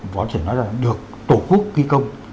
có thể nói là được tổ quốc ghi công